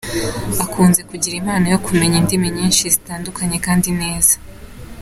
Akunze kugira impano yo kumenya indimi nyinshi zitandukanye kandi neza.